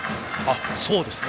そうですね。